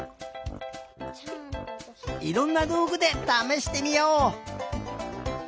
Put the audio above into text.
いろんなどうぐでためしてみよう！